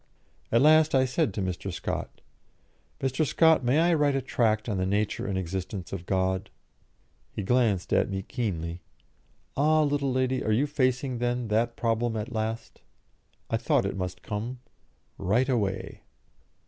At last I said to Mr. Scott, "Mr. Scott, may I write a tract on the nature and existence of God?" He glanced at me keenly. "Ah, little lady, you are facing, then, that problem at last? I thought it must come. Write away."